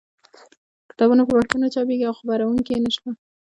کتابونه په پښتو نه چاپېږي او خپرونکي یې نشته.